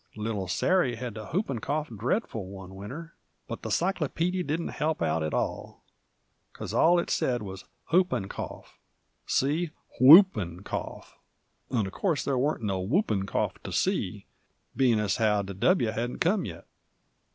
Little Sarey had the hoopin' cough dreadful one winter, but the cyclopeedy didn't help out at all, 'cause all it said wuz: "Hoopin' Cough See Whoopin' Cough" and uv course there warn't no Whoopin' Cough to see, bein' as how the W hadn't come yet!